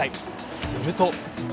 すると。